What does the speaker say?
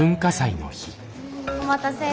お待たせ。